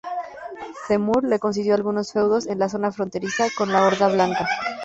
Temür le concedió algunos feudos en la zona fronteriza con la Horda Blanca.